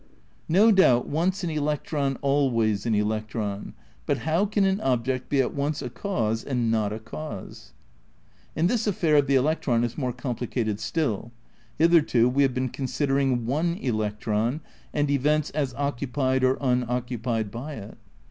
No doubt once an electron always an electron; but how can an object be at once a cause and not a cause ? And this affair of the electron is more complicated still. Hitherto we have been considering one electron, and events as occupied or unoccupied by it.